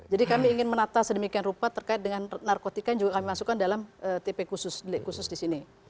jadi kami ingin menata sedemikian rupa terkait dengan narkotika yang juga kami masukkan dalam tipe khusus di sini